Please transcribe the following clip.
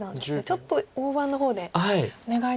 ちょっと大盤の方でお願いいたします。